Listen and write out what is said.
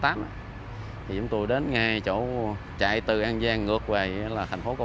thì chúng tôi đến ngay chỗ chạy từ an giang ngược về là thành phố